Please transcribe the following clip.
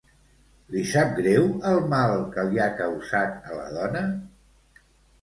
Li sap greu el mal que li ha causat a la dona?